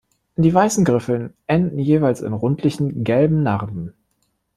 Die weißen Griffel enden jeweils in rundlichen, gelben Narben.